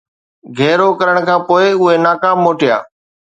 گهيرو ڪرڻ کان پوءِ اهي ناڪام موٽيا